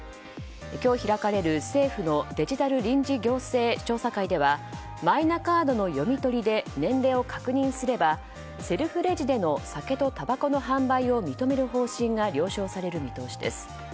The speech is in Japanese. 今日開かれる政府のデジタル臨時行政調査会ではマイナカードの読み取りで年齢を確認すればセルフレジでの酒とたばこの販売を認める方針が了承される見通しです。